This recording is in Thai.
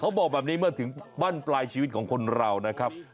บอกแบบนี้เมื่อถึงบ้านปลายชีวิตของคนเรานะครับ